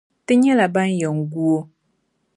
Ti nyɛla ban yɛn gu o.